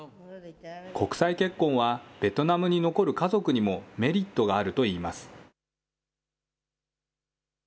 国際結婚は、ベトナムに残る家族にもメリットがあるといいます。